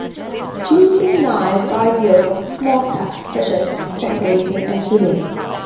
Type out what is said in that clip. Fluting knives are ideal for small tasks such as decorating and peeling.